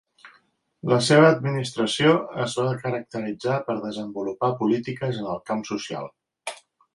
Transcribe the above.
La seva administració es va caracteritzar per desenvolupar polítiques en el camp social.